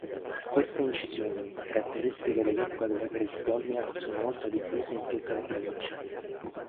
Queste incisioni, caratteristiche dell'epoca della preistoria sono molto diffuse in tutta la provincia.